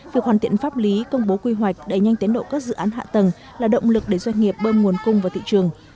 việc hoàn tiện pháp lý công bố quy hoạch đẩy nhanh tiến độ các dự án hạ tầng là động lực để doanh nghiệp bơm nguồn cung vào thị trường